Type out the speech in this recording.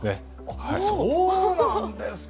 あそうなんですか。